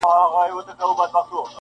خو وجدان يې ورسره دی تل,